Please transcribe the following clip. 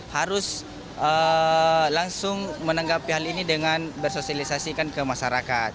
harus langsung menanggapi hal ini dengan bersosialisasikan ke masyarakat